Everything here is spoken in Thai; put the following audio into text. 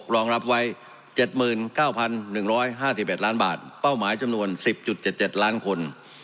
รองรับไว้๗๙๑๕๑ล้านบาทเป้าหมายจำนวน๑๐๗๗ล้านคน